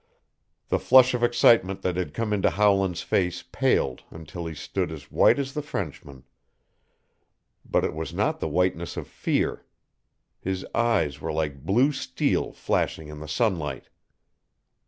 The flush of excitement that had come into Howland's face paled until he stood as white as the Frenchman. But it was not the whiteness of fear. His eyes were like blue steel flashing in the sunlight.